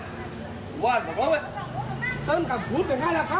เติ้ลอย่างใจมึงใจกูเป็นข้าราคา